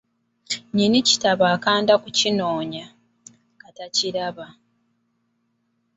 Nnyini kitabo akanda kukinoonya, nga takiraba.